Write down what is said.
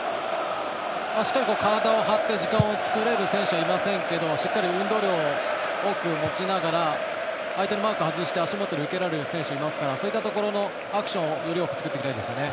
しっかり、体を張って時間を作れる選手はいませんけどしっかり運動量を多く持ちながら相手のマークを外して足元で受けられる選手いますからそういったところのアクションをより多く作っていきたいですね。